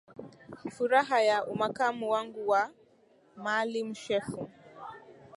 furaha ya umakamu wangu wa maalim shefu